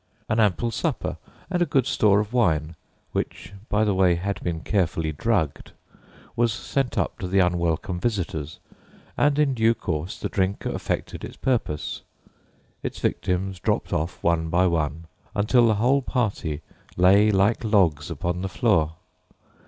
An ample supper and a good store of wine (which, by the way, had been carefully drugged) was sent up to the unwelcome visitors, and in due course the drink effected its purpose its victims dropped off one by one, until the whole party lay like logs upon the floor.